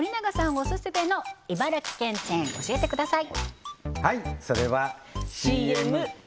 オススメの茨城県チェーン教えてください